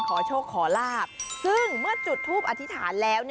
ขอโชคขอลาบซึ่งเมื่อจุดทูปอธิษฐานแล้ว